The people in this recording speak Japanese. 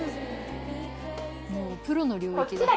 もうプロの領域だ。